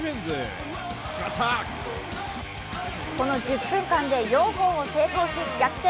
この１０分間で４本を成功し、逆転、